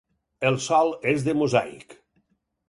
El sòl és de mosaic.